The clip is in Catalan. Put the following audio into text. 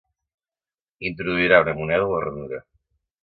Introduirà una moneda a la ranura.